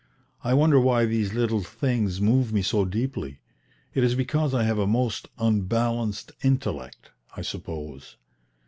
I wonder why these little things move me so deeply? It is because I have a most 'unbalanced intellect,' I suppose."